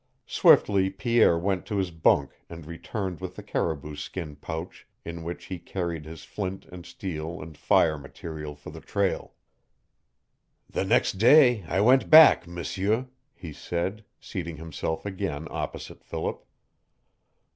Swiftly Pierre went to his bunk and returned with the caribou skin pouch in which he carried his flint and steel and fire material for the trail. "The next day I went back, M'sieu," he said, seating himself again opposite Philip.